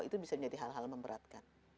itu bisa menjadi hal hal memberatkan